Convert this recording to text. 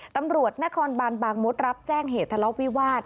ตำรวจนครบานบางมดรับแจ้งเหตุทะเลาะวิวาส